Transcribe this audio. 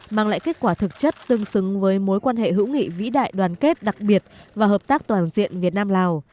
mang lại kết quả thực chất tương xứng với mối quan hệ hữu nghị vĩ đại đoàn kết đặc biệt và hợp tác toàn diện việt nam lào